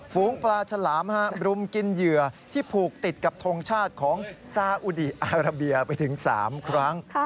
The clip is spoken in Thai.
ฝูงปลาฉลามรุมกินเหยื่อที่ผูกติดกับทงชาติของซาอุดีอาราเบียไปถึง๓ครั้ง